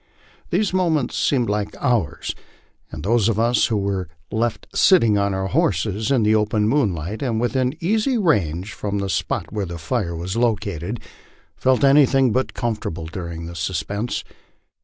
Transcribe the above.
These mo ments seemed like hours, and those of us who were left sitting on our horses, in the open moonlight, and within easy range from the spot where the fire was located, felt anything but comfortable during this suspense.